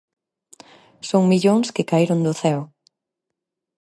Son millóns que caeron do ceo.